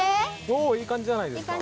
おぉいい感じじゃないですか。